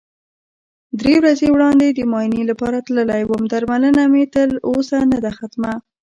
درې ورځې وړاندې د معاینې لپاره تللی وم، درملنه مې تر اوسه نده ختمه.